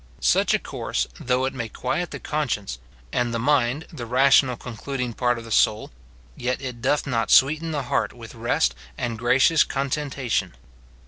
Such a course, though it may quiet the conscience and the mind, the rational concluding part of the soul, yet it doth not sweeten the heart with rest and gracious contentation.